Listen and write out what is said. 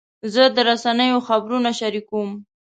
زه د رسنیو خبرونه شریکوم.